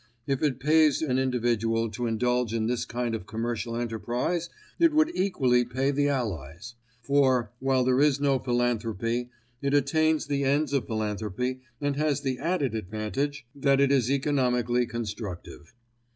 If it pays an individual to indulge in this kind of commercial enterprise, it would equally pay the Allies. For, while this is no philanthropy, it attains the ends of philanthropy and has the added advantage that it is economically constructive.